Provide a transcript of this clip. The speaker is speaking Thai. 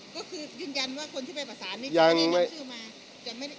ก็คือยืนยันว่าคนที่ไปประสานนี่ไม่ได้เรียกชื่อมา